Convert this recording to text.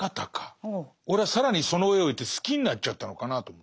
俺は更にその上をいって好きになっちゃったのかなと思って。